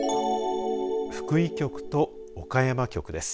福井局と岡山局です。